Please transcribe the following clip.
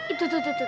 itu itu itu